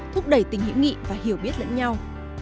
thúc đẩy tình hữu nghị và hiểu biết lẫn nhau